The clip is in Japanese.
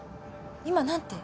今何て？